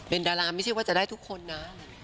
เป็นดาราไม่ใช่ว่าจะได้ทุกคนนะ